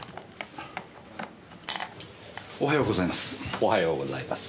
おはようございます。